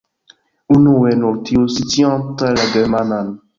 Unue, nur tiu scianta la germanan.